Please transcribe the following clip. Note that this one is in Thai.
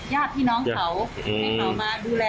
ยาดพี่น้องเขาให้เขามาดูแลหน่อย